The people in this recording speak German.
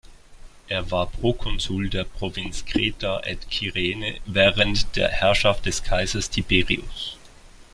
Er war Prokonsul der Provinz Creta et Cyrene während der Herrschaft des Kaisers Tiberius.